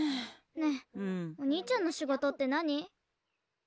ねえお兄ちゃんのしごとって何？